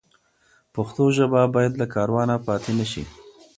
پښتو ژبه باید له کاروانه پاتې نه سي.